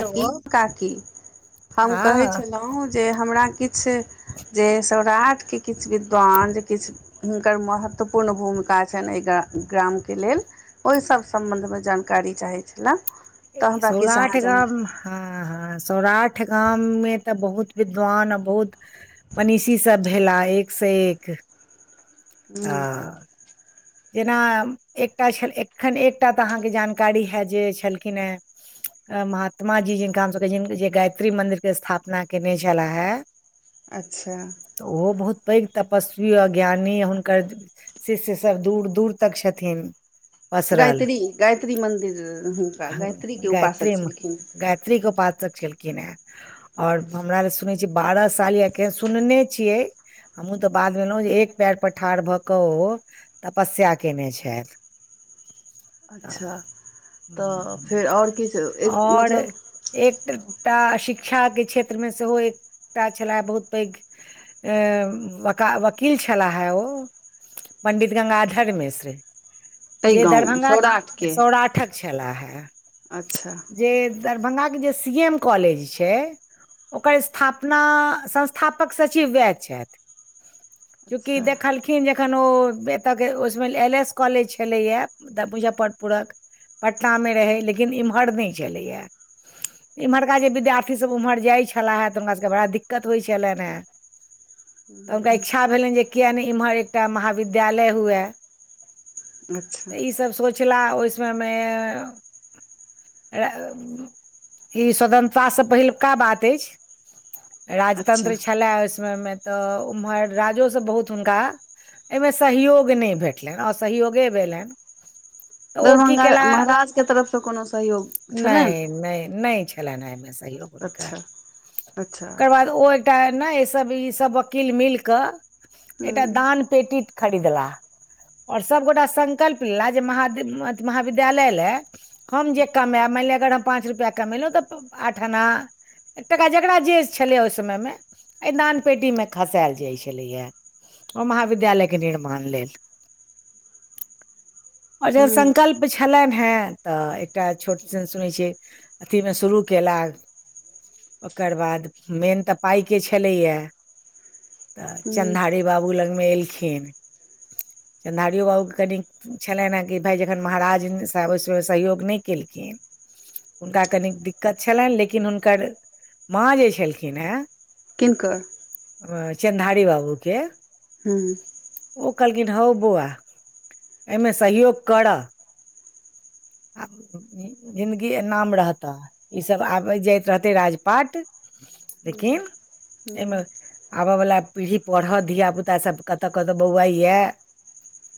ऐ हेलो काकी काकी हम कहे हँ छलहुँं जे हमरा किछ जे सौराट के किछु विद्वान जे किछ हुनकर महत्वपूर्ण भूमिका छनि एहि ग्रा ग्राम के लेल ओ सभ सम्बन्ध मे जानकारी चाहै छन सौराठ गाम हँ हँ सौराठ गाम मे तऽ बहुत विद्वान आ बहुत मनीषी सब भेलाय एक स एक आ ह जेना एकटा छल एखन एकटा तऽ अहाँ के जानकारी है जे छलखिन हेँ आ महात्मा जी जिनका हमसभ जि जे गायत्री मंदिर के स्थापना केने छल है अच्छा त ओहो बहुत पैघ तपस्वी अ ज्ञानी हुनकर शिष्य सब दूर दूर तक छथिन पसरल गायत्री गायत्री मन्दिर हिनका गायत्री के उपासक छलखिन त्री के उपासक छेलखिन हें ओर हमरा लेल सुनै छियै बारह साल यखन सुनने छियै हमहूँ तऽ बाद ऐलहुँ जे एक पैर पर ठाढ़ भऽ कऽ ओ तपस्या कयने छथि अच्छा तऽ त फेर ओर किछु एक आओर मतलब एकटा शिक्षा के क्षेत्र मे सेहो एकटा छलय बहुत पैघ वकील छला हे ओ पंडित गंगाधर मिश्र एहि जे गाँव दरभंगा सौराठके सौराठक छला है अच्छा जे दरभंगा के जे सी एम कॉलेज छै ओकर स्थापना संस्थापक सचिव उएह छथि [inaudible] चूँकि देखलखिन जखन ओ तय ओ समे एल एस कॉलेज छलैए मुजफ्फरपुरक पटना मे रहै लेकिन एम्हर ने छलैए इम्हरका जे विद्यार्थी सभ उम्हर जाइ छलाहे तऽ हुनका सभके बड़ा दिक्कत होइ छलन हें तऽ हुनका इच्छा भेलनि जे किया ने इम्हर एकटा महाविद्यालय हुए अच्छा तऽ ई सब सोचला ओ समय मे ई स्वतंत्रतासँ पहिलुका बात अछि अच्छा राजतंत्र छलए ओसमय मे तऽ उम्हर राजो सब बहुत हुनका एमे सहयोग नहि भेटलनि असहयोगे भेलनि तऽ ओ की दरभंगा केलाह महाराजके तरफसँ कोनो सहयोग छलनि नहि नहि नहि छै भेलैन हैं अहिमे सहयोग हुनकर अच्छा अच्छा ओकर बाद ओ एकटा नै ई सब ई सब वकील मिल क एकटा हूँ दान पेटी खरीदला आओर सभगोटा संकल्प लेला जे महाद अ महाविद्यालय लए हम जे कमाायब मानि लिअ अगर हम पाँच रुपैआ कमेलहुँ तऽ आठ अना एकटका जकरा जे छलैया ओहि समयमे एहि दान पेटीमे खसायल जाइत छलैेया ओ महाविद्यालय के निर्माण लेल आऔर हूँ संकल्प छलनि हैं तऽ एकटा छोट सन सुनैत छियै अथीमे शुरू कयला ओकर बाद मेन तऽ पाइके छलैया तऽ हूँ चनधारी बाबू लगमे एलखिन चन्दारिओ बाबूके कनि छलनि हेँ कि भाय जखन महाराज साहेब ओहि सममे सहयोग नहि केलखिन हुनका कनिक दिक्कत छलनि लेकिन हुनकर माँ जे छलखिन हैं किनकर चन्दाड़ी बाबूके हूँ ओ कहलखिन हौ बौआ एहिमे सहयोग करब आ जिन्दगी नाम रहतह ईसभ आबैत जाइत रहतै राजपाट हूँ लेकिन एहिमे हूँ आबय वला पीढ़ी पढ़त धिय पुता सब कत क बौआइ यए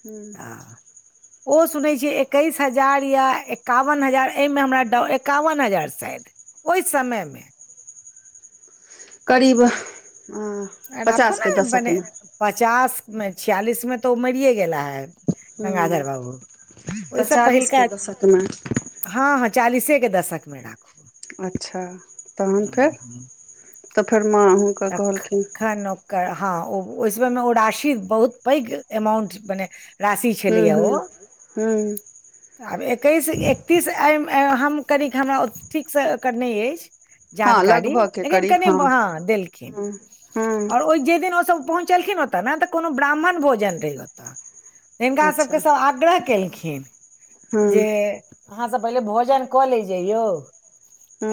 हूँ आ [inaudible] ओ सुनै छीये एकैस हजार या एकावन हजार एहिमे हमरा एकावन हजार शायद ओहि समयमे करीब ह राखू ने मने पचास मे छियालिस में तऽ ओ मरे गेला हे हूँ गंगाधर बाबू तऽ ओहिसँ चालीसके पहिलका दशकमे हँ हँ चालीसे के दशक मे रहा अच्छा तहन फेर तऽ फेर माँ हुन अखानक [unintelligible] कै हँ ओ ओहि समय मे ओ राशी बहुत पैघ अमाउंट मने राशि हूँ छलैया ओ हूँ हूँ आब एकैस तीस [unintelligible] हम कनिक हमरा ठीकसँ ओर नहि अछि हँ जानकारी लगभगके लेकिन करीब कनि हँ देलक हँ ओहि जेहि दिन ओसभ पहुँचलखिन ओतऽ ने तऽ कोनो ब्राह्मण भोजन रहै ओतऽ हिनका अच्छा सभके सभ आग्रह केलखिन हँ जे अहाँ सब पहिले भोजन कऽ ले जइयौ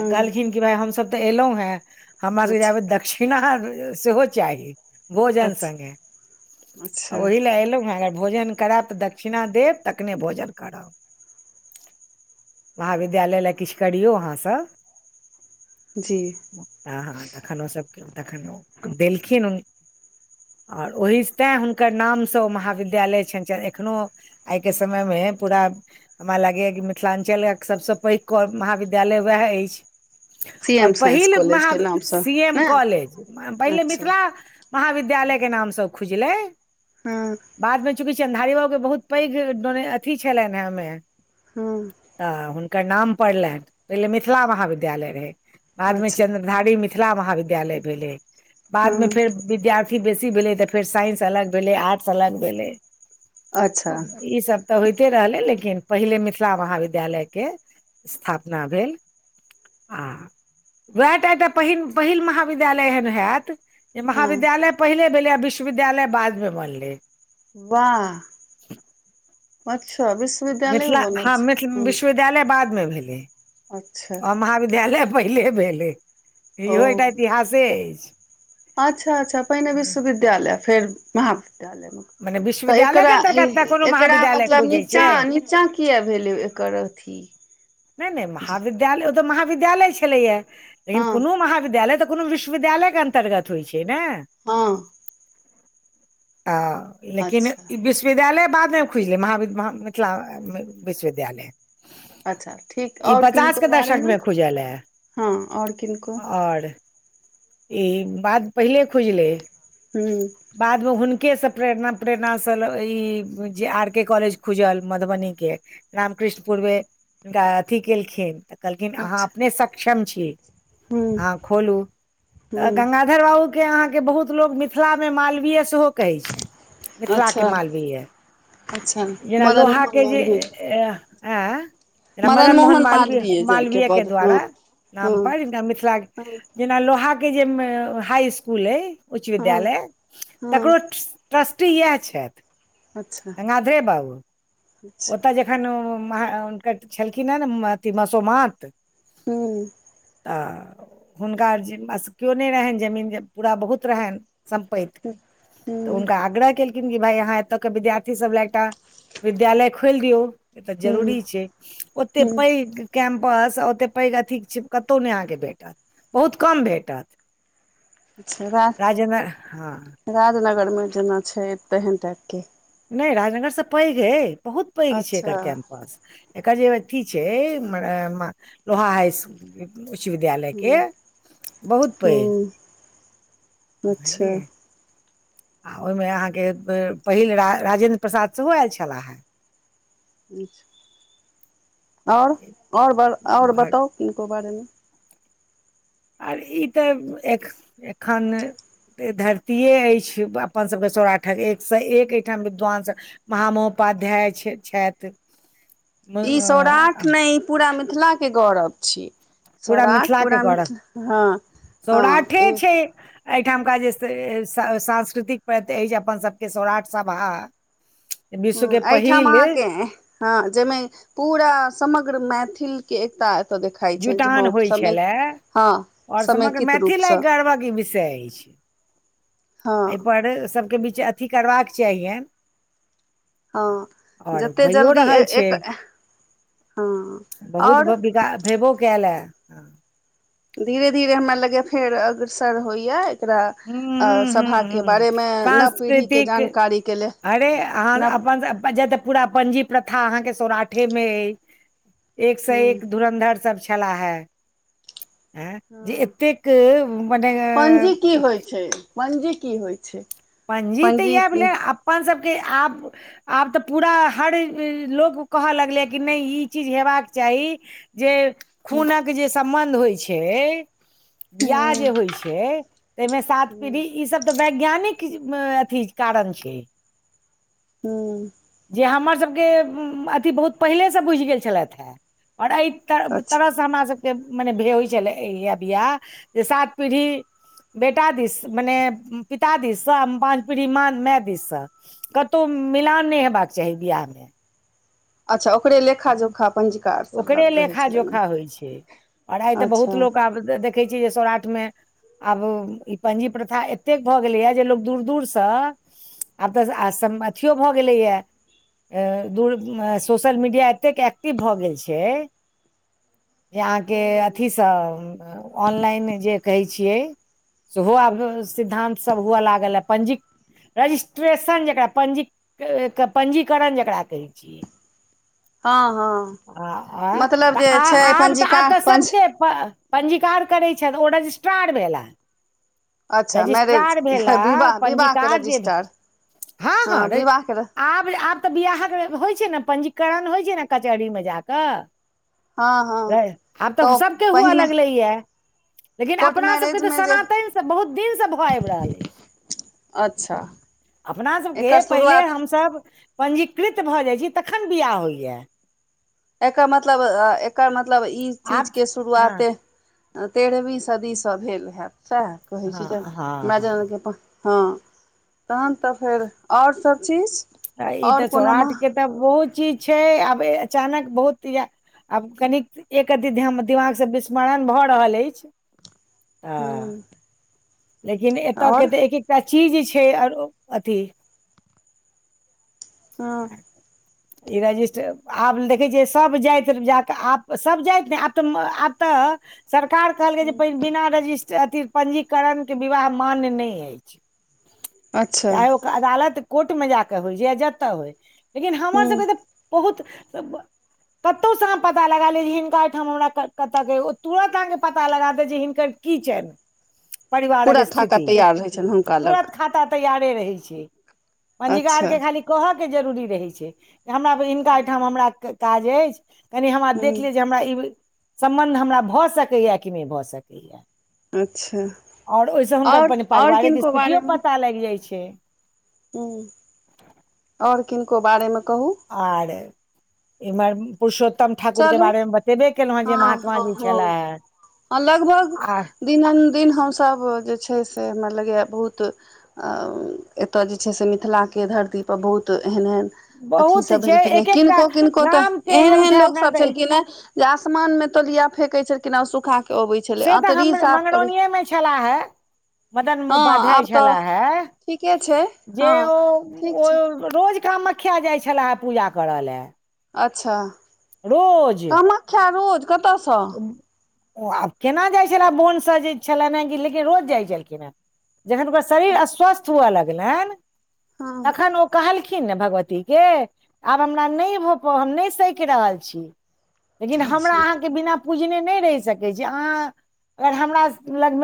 आ कहलखिन कि भाय हमसब तऽ एलहुं हैं हमरा सबके अच्छा जाबे दक्षिणा सेहो चाही भोजन अच्छा संगे अच्छा ओहि लए एलहुं हैं अगर भोजन करायब तऽ दक्षिणा देब तखने भोजन करब महाविद्यालय लए किछु करियौ अहाँ सब जी हँ हँ तखन ओसभ तखन देलखिन आओर ओहि तेँ हुनकर नामसँ ओ महाविद्यालय छनि एखनोहु आइ के समय मे पूरा हमरा लागैए कि मिथिलांचलके सभसँ पैघ क महाविद्यालय उएह अछि सी आओर एम साइंस पहिल कॉलेज महा के नामसँ सी एम ने कॉलेज पहिले अच्छा मिथिला महाविद्यालय के नाम सब खुजलै हँ बादमे चूँकि चन्द्रधारी बाबू के बहुत पैघ डोने अथी छलनि हैं ओहिमे हँ तऽ हुनकर नाम पढ़लनि पझलियै मिथिला महाविद्यालय रहै बादमे अच्छा चन्द्रधारी मिथिला महाविद्यालय भेलै बादमे हँ फेर विद्यार्थी बेसी भेलै तऽ फेर साइंस अलग भेलै आर्ट्स अलग भेलै अच्छा ओ ई सभ तऽ होइते रहलै लेकिन पहिले मिथिला महाविद्यालयके स्थापना भेल आ वैहटा एकटा पहि पहिल महाविद्यालय एहन हयत जे हँ महाविद्यालय पहिले भेले आ विश्वविद्यालय बाद मे बनले वाह अच्छा विश्व मिथिला हँ मिथ विश्वविद्यालय बादमे भेलै अच्छा ओ महाविद्यालय पहिले भेलै ओ इहो एकटा इतिहासे अछि अच्छा अच्छा पहिने मने विश्वविद्यालय फेर महाविद्यालय मे तऽ विश्वविद्यालय के एकरा ई अन्तर्गत ने कोनो एकरा महाविद्यालय मतलब खुजै नीचा छै नि निच्चा किए भेलै एकर अथी नहि नहि जी महाविद्यालय ओ तऽ महाविद्यालय छलैया लेकिन हँ कोनो महाविद्यालय तऽ कोनो विश्वविद्यालय के अंतर्गत होइ छै ने हँ लेकिन अच्छा ई विश्वविद्यालय बादमे खुजलै महाव मिथिला विश्वविद्यालय अच्छा ठीक ई आओर पचास किनको के दशक बारेमे मे खुजल ए हँ आओर किनको और ई बात पहिले खुजलै हूंम्म बादमे हुनकेसँ प्रेरणा प्रेरणासँ ई जे आर के कॉलेज खुजल मधुबनीके रामकृष्ण पूरवे मे हिनका अथि केलखिन तऽ कहलखिन अहाँ अच्छा अपने सक्षम छी हूँ अहाँ खोलू तऽ हूँ गंगाधर बाबूके अहाँके बहुत लोक मिथिलामे मालवीय सेहो कहै छै मिथिला के अच्छा मालवीय अच्छा जेना मदन मोहन लोहाके जे मालवीय अ आँ जेना मदन मोहन मालवीय जे के मालवीयके पद द्वारा हँ नाम हँ पर मिथिला हँ जेना लोहाके जे हाई इसकुल अइ उच्च हँ विद्यालय हँ तकरो ट्रस्टी इएह छथि अच्छा सगाधरे बाबू अच्छा ओतय जखन हुनकर छलखिन हेँ अथ मसोमात हूँ त हुनका केओ नहि रहनि जमीन पूरा बहुत रहनि सम्प्ति तऽ हूँ हुनका आग्रह केलखिन कि भाय यहाँ एतय के विद्यार्थी सब लए एकटा विद्यालय खोलि दियौ ई तऽ जरूरी हूँ छै ओते हूँ पैघ कैम्पस आ ओतेक पैघ अथी छै कतहु नहि अहाँके भेटत बहुत कम भेटत अच्छा राजेन्द्र हँ राज राजनगरमे जेना छै तेहन टाइपके नहि राजनगरसँ पैघ अइ बहुत पैघ छियै एकर अच्छा कैम्पस एकर जे अथी छै लोहा हाई स्कुल उच्च हूँ विद्यालयके बहुत पैघ हूँ अच्छा बझलियै आ ओहिमे अहाँके पहिल राजेन्द्र प्रसाद सेहो आयल छलाह हे और और बर और आओर बताउ किनको बारेमे आर ई तऽ एख एखन धरतीे अछि अपनसभके सौराठक एकसँ एक एहिठाम विद्वानस महामहोपाध्याय छै छथि म- ई सौराठ अ- नहि ई पूरा मिथिला के गौरव छी पूरा सौराठ मिथिलाके पूरा करऽ मिथिला हँ हँ सौराठे ए छै एहिठामका जे सांस्कृतिक प्रति अछि अपन सबके सौराख सभा ह विश्व के एहिठाम पहिल अहाँके हँ जाहिमे पूरा समग्र मैथिल के एकटा जुटान होइ छलए हँ आओर समग्र समेकित मैथिल एक रूपसँ गर्वक ई विषय अछि हँ एहिपर सभके बीच अथी करबाक चाहियन हँ आओर जतेक भइओ जल्दी रहल छै एक हँ आओर बहुतिक भेबो कयल ह धीरे धीरे हमरा लगै फेर अग्रसर होइया एकरा हूँ हूँ हूँ सभाके हूँ बारेमे नव पीढ़ीके सांस्कृतिक जानकारीके लेल अरे अहाँ नव अपन जऽ पूरा पंजी प्रथा अहाँ के सौराठे में हय एक से हँ एक धुरन्धर छलाह हे जे हँ एतेक मने पंजी की होइ छै पंजी की होइ छै पंजी तऽ इएह भेलै अपन सभके आब आब तऽ पूरा हर लोक कहऽ लगलै कि नहि ई चीज हयबाक चाही जे खूनक जे सम्बन्ध होइ छै बियाह हूँ जे होइ छै ताहिमे सात पीढ़ी ई सब तऽ वैज्ञानिक कीछ अथी कारण छै हूँ जे हमरसभके अथी बहुत पहिलेसँ बुझि गेल छलथि हेँ आओर एहि तर अच्छा तरह हमरा सबके मने होइ छलै इ बियाह जे सात पीढ़ी बेटा दिस मने पिता दिससँ पाँच पीढ़ी माँ माय दिससँ कतहु मिलान नहि हेबाक चाही बियाह मे अच्छा ओकरे लेखा जोखा पंजिका आर सब ओकरे लग रहै लेखा छलनि जोखा होइ छै आओर आइ हेँ तऽ अच्छा बहुत लोक आब देखै छैै जे सौराठमे आब ई पंजी प्रथा एतेक भऽ गेलैएा जे लोकोग दूर दूर से आब तऽ हूँ अथियो भऽ गेलैय सो [unintelligible] [unintelligible] ऑनलाइन जे कहै छियै सेहो आब सिद्धानंत सभ हुअए लागल ह पंजीक रजिस्ट्रेशन जकरा पञ्जीकरण जकरा कहै छियै हँ हँ आ आ मतलब जे छै पञ्जिका पञ पञ्जीकार करैत छथि ओ रजिस्ट्रार भेलनि अच्छा मैरेज रजिस्ट्रार भेला विवाह विवाहके पञ्जीकार जे रजिस्ट्रार हँ हँ आब आब तऽ बियाहके होइत छै ने पंजीकरण होइत छै ने कचहरीमे जा कऽ हँ हँ आब तऽ सबके हुआ लगलै है लेकिन कोर्ट अपनासभके तऽ मैरेजमे जे सनातनसँ बहुत दिनसँ भऽ आबि रहल अच्छा अपना सबके एकर पहिले शुरुआत हमसभ पञ्जीकृत भऽ जाइत छी तखन बिआह होइया एकर मतलब एकर मतलब ई चीज आब के हँ शुरुआते तेरहवीं सदीसँ भेल हएैत सएह कहैत छी जे हँ हँ मै हँ जानके प हँ तहन तऽ फेर आओर सब चीज ई आओर तऽ कोनो माह सौराठके तऽ बहुत चीज छै आब अचानक बहुत य आब कनिक एक अति दिमाग से बिस्मरण भए रहल अछि तऽ ह्म [unintelligible] लेकिन एतयके आओर तऽ एक एकटा चीज छै आरो अथी हँ ई रजिस्टर आब देखै छियै सभ जाति जाके आब सभ जाति ने आब तऽ आब तऽ सरकार कहलकै जे बिना रजिस्ट अथी पञ्जीकरणके विवाह मान्य नहि अछि अच्छा चाहे ओकर अदालत कोर्टमे जा कऽ होय जे चहे जतऽ होय लेकिन हमर ह्म सभके तऽ बहुत कतहुसँ अहाँ पता लगा लिय जे हिनका ओहिठाम हमरा कतय य ओ तुरत अहाँके पता लगा दे जे हिनकर की छनि परिवारक पूरा खाका स्थिति तैयार रहै छनि हुनका लग तुरत खाता तैयारे रहै छै पञजीगार अच्छा के खाली कहऽ के जरूरी रहै छै हमरा हिनका एहिठाम हमरा काज अछि कनि हमरा देख ह्म लेअ जे हमरा ई सम्बन्ध हमरा भऽ सकैया य कि नहि भऽ सकैए य अच्छा और ओहिसँ हुनकर आओर पनि आओर पारिवारिक किनको स्थितियो पता लागि जाइ छै ह आओर किनको बारेमे कहू आर इम्हर पुरुषोत्तम ठाकुर के चलू बारे मे बतेबे केलहु हँ जे महात्मा जी छले ह लगभग दिन दिन हमसभ जे छै से हमरा लगैए बहुत एतय जे छै से मिथिलाके धरतीपर बहुत एहन एहन अथी बहुत सब छै भेलखिन हे एक एकटा किनको किनको तऽ नाम के एहन जे एहन लोक उठायब ने सब तऽ छलखिन जे आसमान मे तलिया फेेक छलख सुखा के अबै छलै से तऽ हम अतरी साफ करै मगरौनिएमे छला हे मदनमु हँ बाधाय आब तऽ छलाह हे ठीके छै जे हँ ओ ठीक ओ छै रोज कामाख्या जाइ छला हे पूजा करऽ ल अच्छा रोज किया रोज कतऽ सँ आ केना जाइ छले बोनसँ जे छलनि ह लेकिन रोज जाइत छलखिन ह जखन ओकर शरीर अच्छा अस्वस्थ हुअ लगलन हँ तखन ओ कहलखिन न भगवती के आब हमरा नहि भ पाबई हम नहि सकि रहल छी लेकिन हमरा अच्छा अहाँ के बिना पूजने नहि रहि सकै छी अहाँ अगर हमरा लग मे